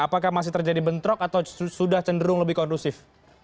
apakah masih terjadi bentrok atau sudah cenderung lebih kondusif